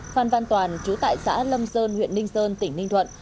phan văn toàn chú tại xã lâm sơn huyện ninh sơn tỉnh ninh thuận